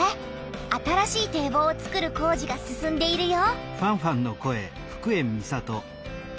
新しい堤防をつくる工事が進んでいるよ。